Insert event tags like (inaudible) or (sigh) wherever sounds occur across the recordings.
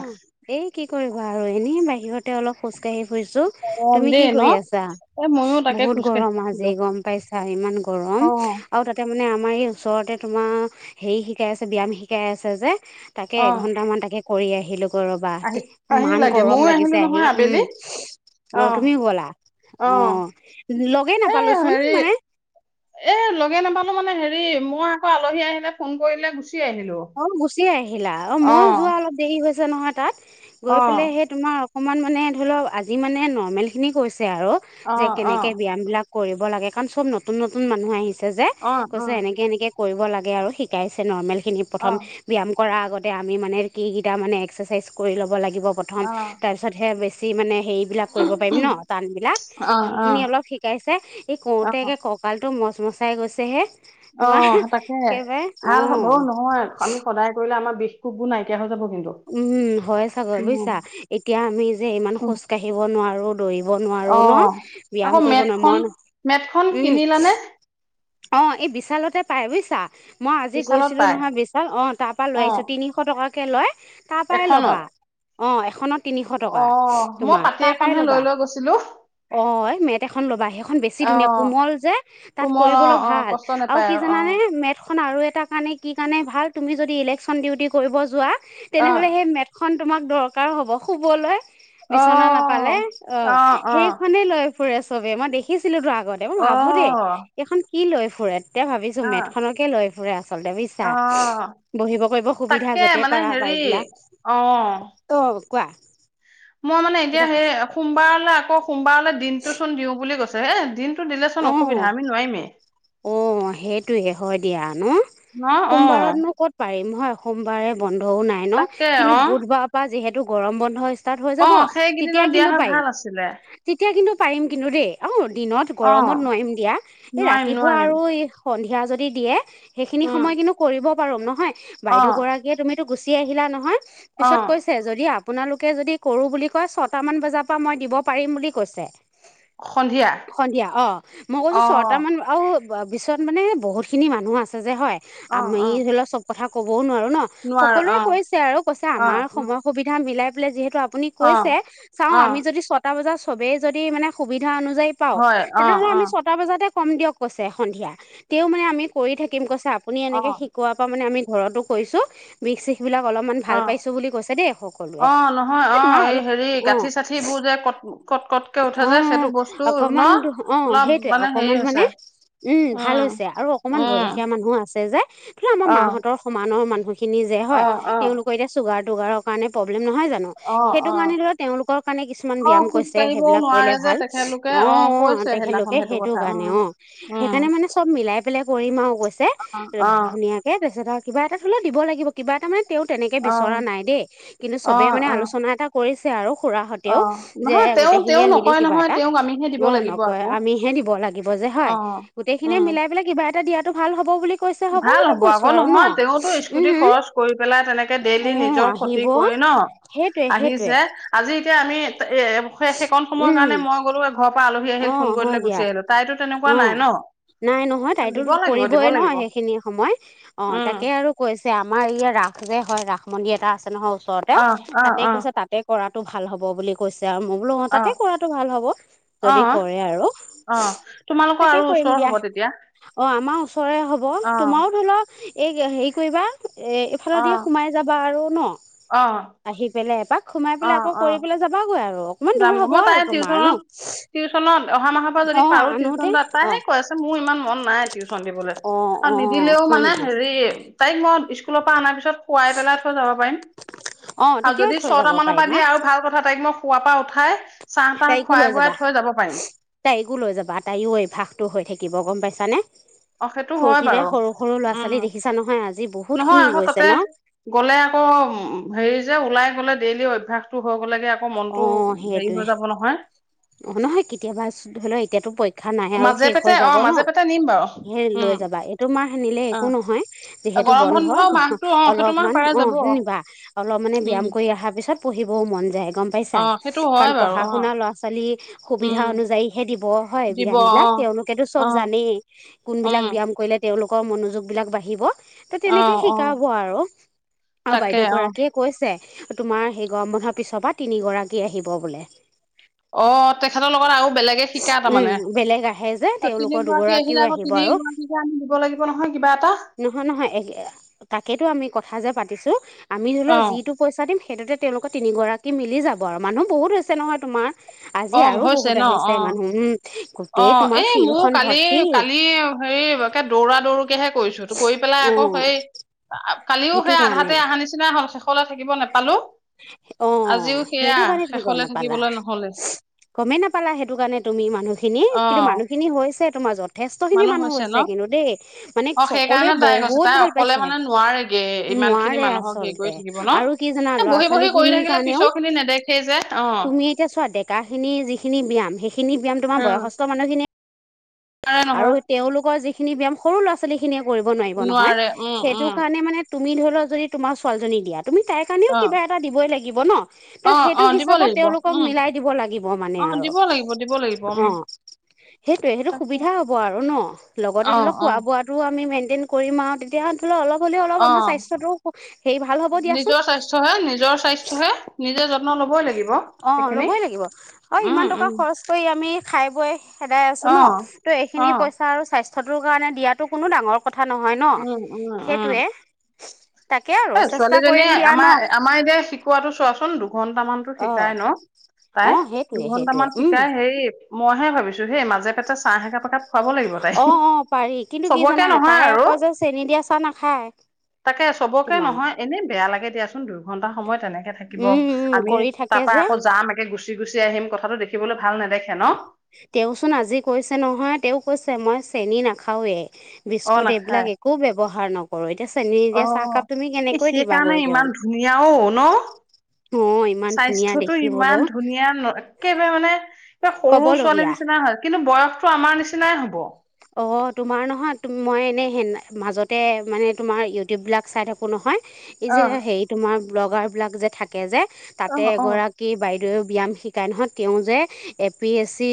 অ এই কি কৰিবা আৰু এনেই বাহিৰতে অলপ খোজ কাঢ়ি ফুৰিছো, গৰম তুমি দেই কি ন? কৰি আছা? এ ময়ো তাকে বহুত খোজকাঢ়ি গৰম আছিলো। আজি গম পাইছা ইমান গৰম অ', আৰু তাতে মানে আ আমাৰ এই ওচৰতে তোমাৰ হেৰি শিকাই আছে ব্যায়াম শিকাই আছে যে তাকে অ', এঘন্টা মান তাকে কৰি আহিলো। ৰ'বা আহি আহি ইমান লাগে গৰম ময়ো আহিলো লাগিছে আহি, নহয় উম, আবেলি। অ' তুমিও ব'লা? অ', লগেই এ নাপালোচোন হেৰি মানে এ লগে নেপালো মানে হেৰি মই আকৌ আলহী আহিলে ফোন কৰিলে গুচি আহিলো। অ গুচি আহিলা অ ময়ো যোৱা অলপ দেৰি হৈছে নহয় তাত গৈ অ', পেলাই সেই তোমাৰ অকমান মানে ধৰি লওক আজি মানে নৰ্মেল খিনি কৈছে আৰু অ', যে অ', কেনেকে ব্যায়াম বিলাক কৰিব লাগে কাৰণ চব নতুন নতুন মানুহ আহিছে যে অ', কৈছে অ', এনেকে এনেকে কৰিব লাগে আৰু শিকাইছে নৰ্মেলখিনি অ', প্ৰথম অ', ব্যায়াম কৰাৰ আগতে আমি মানে কিকিটা মানে এক্সাৰচাইজ কৰি ল'ব লাগিব প্ৰথম তাৰ পিছতহে বেছি সেইবিলাক কৰিব পাৰিম ন টান বিলাক অ', সেইখিনি অ', অলপ শিকাইছে এই অ', কৰোতে একে ককালটো মচাই গৈছেহে। অঁ তাকে ভাল হ'ব অ নহয়। আমি সদায় কৰিলে আমাৰ বিষ কোষবোৰ নাইকিয় হৈ যাব। কিন্তু। উম হয় চাগৈ উম, বুজিছা, এতিয়া আমি যে ইমান উম, খোজ কাঢ়িব নোৱাৰো দৌৰিব অ নোৱাৰো ন আকৌ ব্যায়াম কৰিব নোৱাৰো মেটখন মই মেটখন ন উম কিনিলানে অ এই বিশালতে পাই বুজিছা। মই আজি বিশালত গৈছিলো পাই নহয় বিশাল অ তাৰ পৰা লৈ অ আহিছোঁ তিনিশ টকাকে লয়। তাৰ পৰাই এখনত ল'বা, অ এখনত তিনিশ অ টকা মই তোমাৰ পাতি তাৰ পৰাই এখনহে লৈ ল'বা। লৈ গৈছিলো অ' মেট এখন ল'বা সেইখন বেছি অ ধুনীয়া কোমল যে তাত কোমল (unintelligible) অ ভাল অ কষ্ট আৰু নোপায় কি অ জানানে মেটখন আৰু এটা কাৰণে কি কাৰণে ভাল তুমি যদি ইলেকচন দি উঠি কৰিব যোৱা অ তেনেহলে সেই মেট খন তোমাক দৰকাৰ হ'ব শুবলৈ বিচনা নাপালে, অ', সেইখনে লৈ ফুৰে চবেই মই দেখিছিলো তো আগতে মই অ অ ভাবো দেই এইখন কি লয় ফুৰে। এতিয়া ভাবিছো অ মেটখনকে লৈ ফুৰে আচলতে বুইছা। অ বহিব কৰিব সুবিধা তাকে য'তে মানে পাৰা হেৰি পাই দিলা অ অ' কোৱা মই মানে এতিয়া কিবা সেই কৈছে সোমবাৰলৈ আকৌ সোমবাৰলৈ দিনতটো চোন দিও বুলি কৈছো এ দিনতো দিলেচোন অ অসুবিধা আমি নোৱাৰিমেই। অ' সেইটোৱে হয় দিয়া ন, ন অ সোমবাৰতনো ক'ত পাৰিম হয় সোমবাৰে ব বন্ধও নাই ন তাকে কিন্তু অ বুধবাৰ পৰা যিহেতু গৰম বন্ধ হৈ অ যাব তেতিয়া সেইকেইদিনত দিয়া কিন্তু হয় পাৰিম, ভাল আছিলে তেতিয়া কিন্তু পাৰিম কিন্তু দেই অ' দিনত অ গৰমত নোৱাৰিম দিয়া। এই নোৱাৰিম ৰাতিপুৱা নোৱাৰিম আৰু সন্ধিয়া যদি দিয়ে সেইখিনি উম সময় কিন্তু কৰিব পাৰো, নহয় অ বাইদেউ গৰাকীয়ে তুমি টো গুচি আহিলা নহয় অ পিছত কৈছে যদি আপোনালোকে যদি কৰোঁ বুলি কয় ছয়টামান বজাৰ পৰা মই দিব পাৰিম বুলি কৈছে। সন্ধিয়া সন্ধিয়া অ' মই অ কৈছো ছয়টা মান আৰু বিশ পিছত মানে বহুত খিনি মানুহ আছে যে হয়, অ আমি অ ধৰি লওঁক চব কথা ক'বও নোৱাৰো। ন নোৱাৰো সকলোৱে অ কৈছে আৰু কৈছে অ আমাৰ উম সময় সুবিধা মিলাই পেলাই যিহেতু আপুনি অ কৈছে চাও অ আমি যদি ছটা বজাত চবে যদি মানে সুবিধা অনু যদি পাওঁ হয় অ তেনেহলে অ আমি ছয়টা বজাতে কম দিয়ক কৈছে সন্ধিয়া। তেওঁ মানে আমি কৰি থাকিম কৈছে আপুনি অ এনেকে শিকোৱাৰ পৰা মানে আমি ঘৰতো কৰিছোঁ বিষ শিখ বিলাক অলপমান অ ভাল পাইছোঁ বুলি কৈছে দেই সকলোৱে অ নহয় এই অ তোমাৰ হেৰি অলপ গাঁঠি অ' চাঠিবোৰ যে কট কট কটকে উঠে অ যে সেইটো বস্তু ন অকমান অ অলপ সেইটয়ে মানে হেৰি অকমান মানে হৈছে উম ভাল ছে আৰু অকনমান বয়সীয়া মানুহ আছে যে ধ আমাৰ অ মাহঁতৰ সমানৰ মানহ খিনি যে অ হয় অ তেওঁলোকৰ এতিয়া চুগাৰ টুগাৰৰ কাৰ নহয় জানো অ সেইটো অ কাৰণে ধৰা তেওঁলোক কাৰণে কিছু অ ব্যায়াম খোজ কৈছ এ কাঢ়িবও সেইবিলাক কৰিলে নোৱাৰে যে ভাল তেখেতলোকে অ', অ', কৈছে সেইদিনাখন তেখেতলোকে সেইটো কথা কাৰণে উম অ', উম সেইকাৰণে মানে চব অ (unintelligible) (unintelligible) ব লাগিব কিবা এটা মানে তেওঁ তেনেকে অ বিচৰা নাই দেই কিন্তু অ অ চবে মানে অ আলোচনা এটা কৰিছে আৰু। অ খুৰাহঁতেও যে নহয় তেওঁ তেওঁ মিলিয়ে মিলি নকয় কিবা নহয় এটা তেওঁক আমিহে দিব অ', লাগিব নকয় আকৌ আমিহে দিব লাগিব যে অ হয় গোটেইখিনিয়ে উম মিলাই পেলাই কিবা এটা দিয়াাতটো ভাল হব বুলি কৈছে ভাল বুলি হ'ব কৈছো আকৌ আৰু ন নহয় তেওঁতো উম স্কুটি খৰচ কৰি পেলাই তেনেকে ডেইলি হম অ নিজৰ ক্ষতি আহিব কৰি ন সেইটোৱে সেইটোৱে আহিছে আজি এতিয়া আমি এ সেইকখন সময় উম কাৰণে মই গলো ঘৰ পৰা আলহ আহিল হম ফোন অ হয় কৰিলেে দিয়া গুচি আহিলো তাইতো অ তেনেকুৱা নাই নাই নহয় ন' তাইতো দিব লাগিব, দিব কৰিবই ন লাগিব। সেইখিনি সময় অ উম তাকে আৰু কৈছে আমাৰ ইয়া ৰাস যে হয় ৰাস মন্দিৰ এটা আছে নহয় ওচৰতে অ অ তাতে অ কৈছে তাতে কৰাটো ভাল হ'ব বুলি কৈছ ছে আও মই বোলো অ', তাতে কৰাটো ভাল হ'ব, অ যদি অ কৰে আৰু। অ তোমালোকৰ তাকে আৰু কৰিম ওচৰ দিয়া হ'ব তেতিয়া অ', আমাৰ ওচৰেৰে হ'ব অ তোমাৰো ধৰি লওঁ এই হেৰি কৰিবা এ এইফালৰ অ দি সোমাই যাবা আৰু অ ন' আহি পেলাই। এপাক সোমাই অ পেলাই আকৌ অ কৰি পেলাই যাবাগৈ আৰু মান দূৰ যামগৈ হ'ব মই আৰু তাই তোমাৰ টিউচনত ন' টিউচনত অহা মাহৰ পৰা যদি অ', পাৰো আনো টিউচন তাত তাইহে কৈ আছে, মোৰ ইমান মন নাই টিউচন দিবলে অ আৰু অ নিদিলেও হয় মানে নেকি হেৰি তাইক মই স্কুলৰ পৰা আনাৰ পিছ খোৱাই পেলাই থৈ যাব পাৰিম অ আৰু তেতিয়াও যদি থৈ ছট যাব মানৰ পৰা পাৰিবা দিয়া আৰু ভাল কথা তাইক মই শুৱা পা উঠাই চাহ তাহ তাইকো খুৱাই লৈ বোৱাই যাবা, থৈ যাব পাৰিম তাইকো লৈ যাবা, তায়ো অভ্যাসটো হৈ থাকিব গম পাইছ চানে অ সেইটো হয় ফূৰ্তিৰে বাৰু সৰু সৰু উম ল'ৰা-ছোৱালী দেখিছা নহয়, আজি বহু নহয় আকৌ তাতে গ'লে আকৌ হেৰি যে ওলাই গলে ডেইলি অভ্যয়াসটো অ', সেইটোৱে নহয় অ', নহয় কেতিয়াবা ধৰি লওঁ এতিয়াটো পৰিক ক্ষা নাহে আৰু মাজে শেষ পেটে হৈ অ যাব মাজে ন' পেটে নিম বাৰু সেই উম লৈ যাবা, এইটো মাহ নিলে অ একো নহয়, এ সেইটো গৰম বন্ধ মাহটো অ সেইটো মাহ অলপমান পাৰে অ', যাব নিবা, অলপমানে উম ব্যায়াম কৰি আহাৰ পিছত পঢ়িবও মন যায় গম পাইছা অ সেইটো কাৰণ হয় বাৰু অ পঢ়া-শুনা ল'ৰা-ছোৱালী সুবিধা উম অনুযায়ীহে দিব, হয় দিব অ ব্যায়ামবিলাক। তেওঁলোকেতো অ চব জানেই উম কোনবিলাক ব্যাম কৰিলে তেওঁলোকৰ মনোযোগ বিলাক বাঢ়িব। ত' অ তেনেকে অ শিকাব আৰু, আৰু তাকে বাইদেউ অ গৰাকীয়ে কৈছে তোমাৰ, সেই গৰম বন্ধৰ পিছৰ পৰা তিনিগৰাকী আহিব বোলে। অ' তেখেতৰ লগত আৰু বেলেগে শিকাই উম তাৰমানে। এ, বেলেগ আহে যে তেওঁলোকৰ তিনিগৰাকী দুগৰাকীও আহিলে আকৌ আহিব তি- আৰু আমি (unintelligible) দিব লাগিব নহয় কিবা এটা। নহয় নহয়, এ, তাকেতো আমি কথা যে পাতিছোঁ। আমি ধৰিলোৱা অ যিটো পইচা দিম সেইটোতে তেওঁলোকৰ তিনিগৰাকী মিলি যাব আৰু মানুহ বহুত হৈছে নহয় তোমাৰ। অ আজি আৰু হৈছে ন বহুত আহিছে অ মানুহ উ অ গোটেই তোমাৰ এই ফিল্ড মোৰ খন কালি ভৰ্তি। কালি হেৰি একে দৌৰা-দৌৰকেহে কৰিছো ত' কৰি পেলাই অ আকৌ সেই আ কালিও সেইটো সেই কাৰণে আধাতে আহা নিচিনা হল শেষলৈ থাকিব নেপালো। অ আজিও সেয়া সেইটো কাৰণে তুমি গম শেষলে নাপালা থাকিবলৈ নহলে। গমেই নাপালা সেইটো কাৰণে তুমি মানুহখিনি অ কিন্তু মানুহখিনি হৈছে তোমাৰ যত- যথেষ্ট খিনি মানুহ হৈছে কিন্তু দেই মানে অ চকলোৱে সেইকাৰণে তাই কৈছে তাই বহুত ভাল অকলে পাইছে। মানে নোৱাৰেগে ইমান খিনি নোৱাৰে মানুহক হেৰি কৰি আচলতে থাকিব ন আৰু কি জানা, এ ল'ৰা বহি বহি ছোৱালী কৰি খিনিৰ থাকিলে পিছৰ কাৰণেও খিনি নেদেখেই যে অ তুমি এতিয়া চোৱা ডেকাখিনি যিখিনি ব্যায়াম সেইখিনি ব্যায়াম তোমাৰ উম বয়সস্থ মানুহখিনি- নোৱাৰে নহয় আৰু তেওঁলোকৰ যিখিনি ব ব্যয়ায়াম সৰু ল'ৰা ছোৱালী খিনিয়ে কৰিব নোৱাৰিব নোৱাৰে নহয়। উম সেইটো উম কাৰণে মানে তুমি ধৰি লও যদি তোমাৰ ছোৱালীজনী দিয়া তুমি তাইৰ কাৰণেও অ কিবা এটা দিবই লাগিব ন'? অ ত' অ সেইটো দিব হিচাপত লাগিব তেওঁলোকক উম মিলাই দিব লাগিব মানে অ আৰু দিব লাগিব দিব লাগিব উম অ। সেইটোৱে। সেইটো তাকে সুবিধা হ'ব আৰু ন' লগতে ধৰি অ', লক খোৱা অ', বোৱাটোও আমি মেইনটেইন কৰিম আৰু তেতিয়া ধৰি লক অলপ হলেও অলপ আমাৰ অ', স্বাস্থ্যটো হে ভাল হ'ব দিয়াচোন নিজৰ স্বাস্থ্যহে নিজৰ স্বাস্থ্যহে নিজে যত্ন ল'বই লাগিব। অ সেইখিনি ল'বই লাগিব। অ উম, ইমান টকা উম, খৰচ কৰি আমি খাই বৈ সেদাই আছো অ'। ন'। ত' এইখিনি অ', পইচা আৰু স্বাস্থ্যটোৰ কাৰণে দিয়াটো কোনো ডাঙৰ কথা নহয় উম, ন'? উম, উম। সেইটোৱে। তাকে আৰু এ, চেষ্টা কৰিম ছোৱালীজনীয়ে দিয়া ন আমাৰ, আমাৰ এতিয়া শিকোৱাাতটো চোৱা দুঘন্টামানতো অ শিকাই ন' তাই? অ সেইটোৱে সেইটোৱে দুঘন্টামান উম শিকাই হেৰি মইহে ভাবিছো হেই, মাজে পাতে চাহ একাপ-একাপ খুৱাব লাগিব তাইক। অ অ পাৰি কিন্তু কি চবকে জানা নহয় তাই আৰু আকৌ যে চেনি দিয়া চাহ নাখায়। তাকে চবকে তোমাৰ নহয় এনে বেয়া লাগে দিয়াচোন দুৰ ঘন্টা সময় তেনেকে থাকিব উম উম আমি কৰি তাৰ থাকে পৰা যে আকৌ যাম একে গুচি-গুচি আহিম কথাটো দেখিবলে তেওঁচোন আজি কৈছে নহয় তেওঁ কৈছে মই তেওঁ নাখাওৱে। অ বিস্কুট নাখায় এইবিলাক একো ব্যৱহাৰ নকৰো। এতিয়া চেনি দিয়া চাহকাপ তুমি কেনেকৈ দিবাগৈ তেওঁক ধুনীয়াও ন'? অ ইমান ধুনীয়া স্বাস্থ্যটো ইমান দেখিবলৈ ধুনীয়া ন একেবাৰে মানে হে, সৰু ছোৱালী কবলগীয়া নিচিনাই হয় কিন্তু বয়সতটো আমাৰ নিচিনাই হ'ব। অ, তোমাৰ নহয় মই এনেই সেনা, মাজতে মানে তোমাৰ ইউটিউবিলাক চাই থাকোঁ নহয় অ এইযে হেৰি তোমাৰ ব্লগাৰবিলাক যে থাকে যে অ তাতে অ এগৰাকী বাইদেৱ ব্যয়াম শিক- তাই নহয় তেওঁ যে A P S C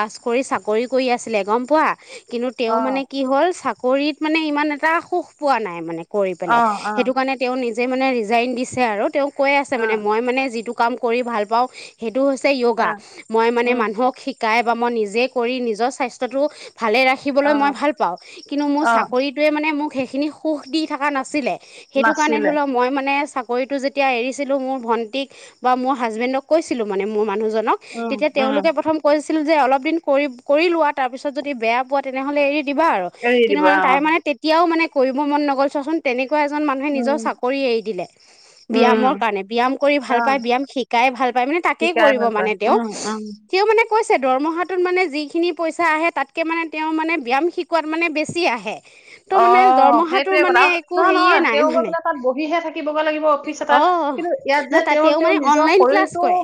pass কৰি চাকৰি কৰি আছিলে গম পোৱা কিন্তু তেওঁ অ মানে কি হ'ল চাকৰিত মানে ইমান এটা সুখ পোৱা নাই মানে। কৰি অ পেলাই। অ সেইটো কাৰণে তেওঁ নিজে মানে ৰিজাইন দিছে আৰু তেওঁ কৈ আছে অ মানে মই মানে যিটো- কাম কৰি ভাল পাওঁ সেইটা হৈছে অ যোগা। মই মানে উম মানুহক শিক- তাই বা মই নিজে কৰি, নিজৰ স্বাস্থ্যটো ভালে অ ৰাখিবলৈ মই ভাল পাওঁ কিন্তু মোৰ অ চাকৰিটোৱে মানে মোক সেইখিনি সুখ দি থাকা নাছিলে। সেইটো কাৰণে নাছিলে ধৰি লও মই মানে চাকৰিটো যেতিয়া এৰিছিলো মোৰ ভন্টিক বা মোৰ হাজবেণ্ডক কৈছিলো মানে মোৰ মানুহ জ- ন' উম তেতিয়া উম তেওঁলোকে প্ৰথম কৈছিল যে অলপ দিন কৰি, কৰিলোৱা তাৰপিছত যদি বেয়া পোৱা তেনেহ'লে এৰি দিবা আৰু এৰি কিন্তু দিবা মানে তাই অ মানে তেতিয়াও মানে কৰিব মন নগ'ল চোৱাচোন তেনে- তেনেকুৱা এজন মানুহে নিজৰ উম চাকৰি এৰি দিলে উম ব্যায়ামৰ কাৰণে ব্যায়াম কৰি অ ভাল পায় ব্যায়াম শিকাই ভাল। তাকেই শিকাই কৰিব ভাল পায় মানে তেওঁ উম উম তেওঁমানে কৈছে দৰমহাটোত মানে যিখিনি পইচা আহে তাতকৈ মানে তেওঁ মানে ব্যায়াম শিকোৱাত মানে বেছি আহে। ত' অ মানে দৰমহাটোৰ সেইটোয়ে মানে কথা একো নহয় হেৰিয়ে নহয় নাই তেওঁ গৈ মানে পাই তাত বহিহে থাকিবগৈ লাগিব অফিচ অ এটাত কিন্তু ইয়াত ন যে তাত তেওঁ তেওঁৰ মানে নিজৰ অনলাইন ক্লাছ শৰীৰটো কৰে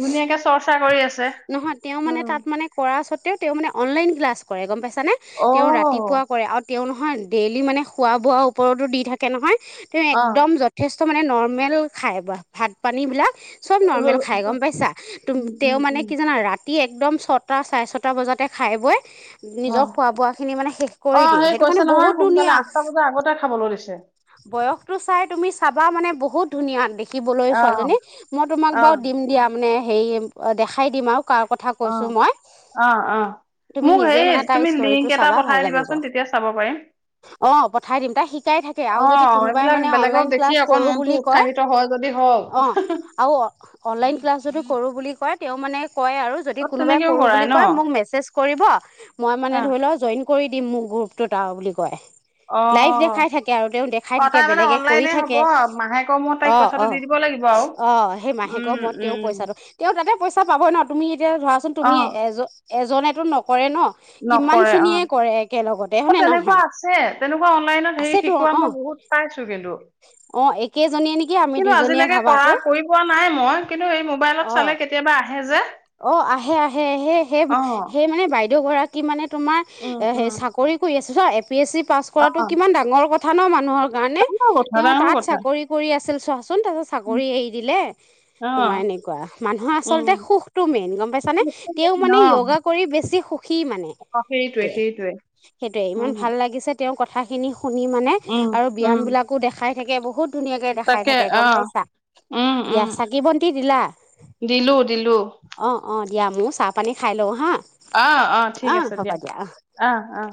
ধুনীয়াকে চৰ্চা কৰি আছে নহয় মানে উম তাত মানে কৰা স্বত্বেও তেওঁ তেওঁ মানে অনলাইন ক্লাছ কৰে গম পাইছানে? অ তেওঁ ৰাতিপুৱা কৰে আৰু তেওঁ নহয় ডেইলি মানে খোৱা বোৱাৰ ওপৰতো দি থাকে নহয় তেওঁ অ একদম যথেষ্ট মানে নৰ্মেল খাই বা ভাত পানীবিলাক চব নৰ্মেল খাই গম পাইছা তুম উম তেওঁ উম মানে উম কি জানা ৰাতি ৰাতি একদম ছটা চাৰে ছটা বজাতে খাই বৈ। অ নিজৰ খোৱা বোৱা খিনি মানে শেষ অ কৰি দিয়ে সেই সেইটো কৈছে কাৰণে নহয় বহুত সোনকালে ধুনীয়া আঠটা বজাৰ আগতে খাবলৈ দিছে বয়সতো চাই তুমি চাবা মানে বহুত বহুত ধুনীয়া দেখিবলৈ অ ছোৱালীজনীক মই তোমাক অ বাৰু দিম দিয়া মানে হেৰি দেখাই দিম আৰু কাৰ কথা অ কৈছো মই অ অ তুমি মোক নিজে হেৰি মানে তাৰ তুমি লিংক ষ্টোৰীটো এটা চাবা ভাল পঠাই লাগিব। দিবাচোন তেতিয়া চাব পাৰিম অ পঠাই দিম তাক শিকাই থাকে আৰু অ যদি কোনোবাই এইবিলাক মানে বেলেগক অনলাইন দেখি ক্লাছ অকণ কৰোঁ মনটো বুলি কয় উৎসাহিত হয় যদি হওক অ আৰু অনলাইন ক্লাছ যদু কৰোঁ বুলি কয় তেওঁ মানে কয় আৰু যদি অ কোনোবাই তেনেকেও কৰোঁ কৰাই বুলি ন মোক মেচেজ কৰিব মই মানে অ ধৰি লওক জইন কৰি দিম মোৰ গ্ৰুপটোত আৰু বুলি কয় লাইফ অ', দেখাই থাকে আৰু তেওঁ দেখাই অ', থাকে তাই মানে বেলেগে কৰি অনলাইনে হ'ব থাকে মাহেকৰ মূৰত তাইক অ', পইচাটো অ। দি দিব লাগিব আৰু। অ সেই মাহেকৰ উম, মৰত তেওঁ উম, পইচাটো তেওঁ যাতে পইচা পাবই ন তুমি এতিয়া ধৰাচোন তুমি অ', এজন এজনেতো নক কৰে ন কিমান নকৰে খিনিয়ে অ', কৰে একেলগতে অ', হৈনে তেনেকুৱা নহয় আছে তেনেকুৱা অনলাইনত হেৰি আছে তো শিকোৱা মই বহুত পাইছো কিন্তু একেজনীয়ে নেকি আমি কিন্তু দুইজনীয়ে আজিলৈকে কৰা ভাবাতো কৰি পোৱা নাই মই কিন্তু এই মোবাইলত অ চালে কেতিয়াবা আহে যে অ আহে আহে আহে সেই অ', সেই মানে বাইদেউ গৰাকী মানে তোমাৰ উম, সে উম, চাকৰি কৰি আছ চ A P S C pass কৰাটো অ', কিমান ডাঙৰ কথা ন মানুহৰ কাৰণে ডাঙৰ কথা তেওঁ ডাঙৰ তাত কথা চাকৰি কৰি আছিল। চোন তাৰপিছত চাকৰি এৰি দিলে তোমাৰ অ', এনেকুৱা মানুহে উম, আচলতে সুখ মেইন গম পাইছা নে তেওঁ মানে অ', য়োগা কৰি বেছি সুখী মানে অ সেইটোৱে এইটোৱে সেইটোৱে সেইটোয়ে ইমান উম, ভাল লাগিছে। তেওঁৰ কথাখিনি শুনি মানে উম, আৰু উম, ব্যায়ামবিলাকো দেখাই থাকে বহুত ধুনীয়াকে দেখাই তাকে থাকে গম অ', পাইছা, উম, দিয়া উম, চাকি বন্তি দিলা? দিলো দিলো। অ', অ দিয়া মোৰ চাহ পানী খাই লওঁ হা। আহ আহ ঠিক অ আছে হ'ব দিয়া আহ আহ